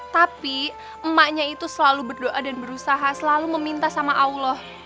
tapi emaknya itu selalu berdoa dan berusaha selalu meminta sama allah